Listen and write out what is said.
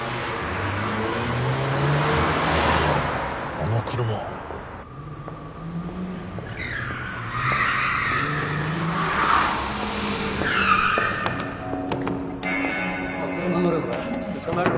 あの車おい車乗れこら捕まえろ